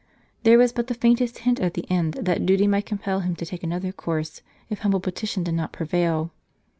There was but the faintest hint at the end, that duty might compel him to take another course, if humble petition did not prevail.